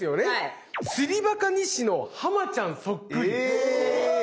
え